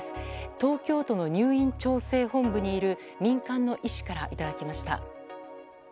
東京都の入院調整本部にいる民間の医師からいただきました。